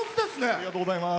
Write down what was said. ありがとうございます。